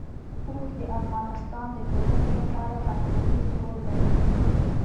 اوښ د افغانستان د ټولنې لپاره بنسټيز رول لري.